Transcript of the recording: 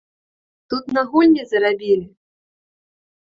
Тут на гульні зарабілі!